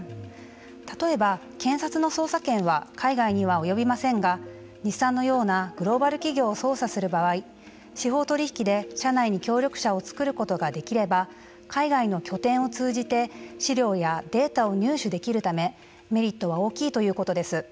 例えば、検察の捜査権は海外には及びませんが日産のようなグローバル企業を捜査する場合司法取引で社内に協力者を作ることができれば海外の拠点を通じて資料やデータを入手できるためメリットは大きいということです。